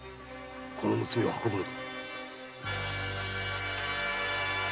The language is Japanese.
この娘を運ぶのだ。